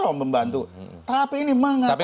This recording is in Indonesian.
lho membantu tapi ini mengatasi